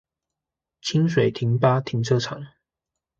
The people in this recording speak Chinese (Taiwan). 清水停八停車場